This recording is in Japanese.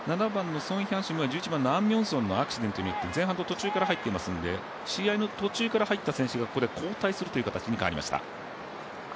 ７番のソン・ヒャンシムはアン・ミョンソンのアクシデントによって前半の途中から入っていますので、試合の途中から入った選手がここで交代するという形に代わりました。